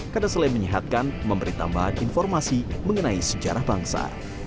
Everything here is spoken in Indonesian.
karena selain menyehatkan memberi tambahan informasi mengenai sejarah bangsa